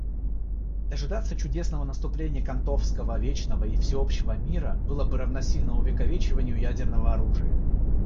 Дожидаться чудесного наступления кантовского вечного и всеобщего мира было бы равносильно увековечению ядерного оружия.